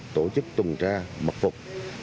tổ chức trùng tra mặc phục